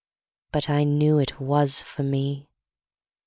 But I knew it was for me.